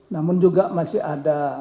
namun juga masih ada